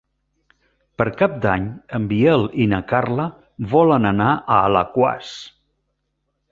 Per Cap d'Any en Biel i na Carla volen anar a Alaquàs.